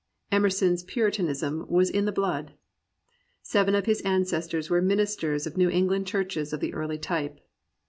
Emerson's puritanism was in the blood. Seven of his ancestors were ministers of New England churches of the early type.